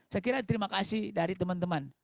saya kira terima kasih dari teman teman